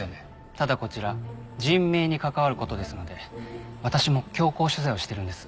ただこちら人命に関わることですので私も強行取材をしてるんです。